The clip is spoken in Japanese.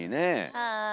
はい。